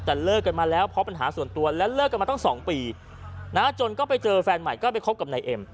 แต่เลิกกันมาแล้วเพราะปัญหาส่วนตัวและเลิกกันมาตั้ง๒ปีจนก็ไปเจอแฟนใหม่ก็ไปคบกับนายเอ็ม